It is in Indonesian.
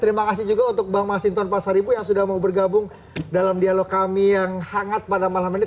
terima kasih juga untuk bang masinton pasaripu yang sudah mau bergabung dalam dialog kami yang hangat pada malam ini